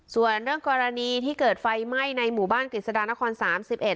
ส่วนเรื่องกรณีที่เกิดไฟไหม้ในหมู่บ้านกฤษฎานครสามสิบเอ็